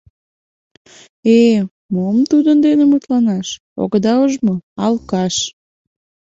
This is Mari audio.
Э-э, мом тудын дене мутланаш, огыда уж мо — алкаш.